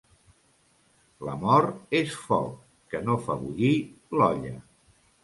L'amor és foc que no fa bullir l'olla.